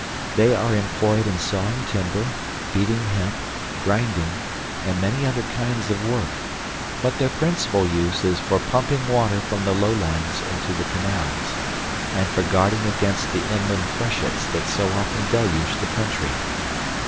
They are employed in sawing timber, beating hemp, grinding, and many other kinds of work; but their principal use is for pumping water from the lowlands into the canals, and for guarding against the inland freshets that so often deluge the country.